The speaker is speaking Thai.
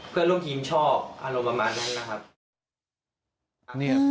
เพื่อนร่วมทีมชอบอารมณ์ประมาณนั้นนะครับ